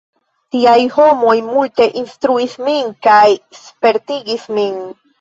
Tiaj homoj multe instruis min kaj spertigis min.